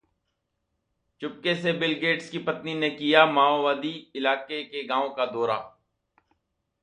चुपके से Bill Gates की पत्नी ने किया माओवादी इलाके के गांव का दौरा